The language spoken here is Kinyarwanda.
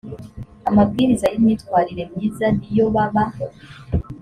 amabwiriza y imyitwarire myiza n iyo baba